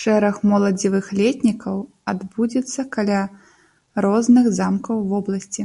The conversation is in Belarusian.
Шэраг моладзевых летнікаў адбудзецца каля розных замкаў вобласці.